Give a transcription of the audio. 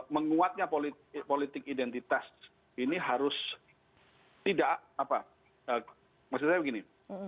menguatnya politik identitas ini harus tidak apa maksud saya begini